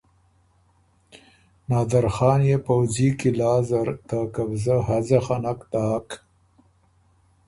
نادرخان يې پؤځي قلعه زر ته قبضه حځه خه نک داک